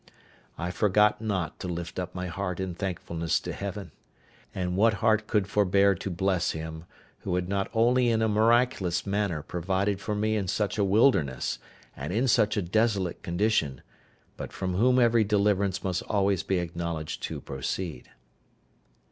I forgot not to lift up my heart in thankfulness to Heaven; and what heart could forbear to bless Him, who had not only in a miraculous manner provided for me in such a wilderness, and in such a desolate condition, but from whom every deliverance must always be acknowledged to proceed.